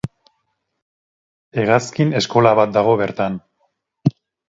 Hegazkin eskola bat dago bertan.